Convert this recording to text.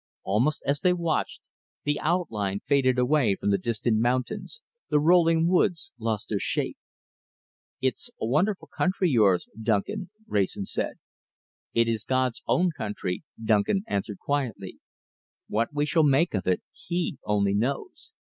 Almost as they watched, the outline faded away from the distant mountains, the rolling woods lost their shape. "It's a wonderful country, yours, Duncan," Wrayson said. "It is God's own country," Duncan answered quietly. "What we shall make of it, He only knows!